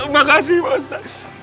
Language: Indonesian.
makasih pak ustadz